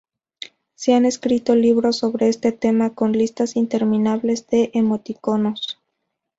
Se han escrito libros sobre este tema, con listas interminables de emoticonos.